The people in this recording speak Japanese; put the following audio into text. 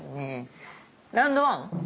ラウンドワン？